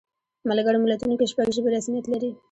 په ملګرو ملتونو کې شپږ ژبې رسمیت لري.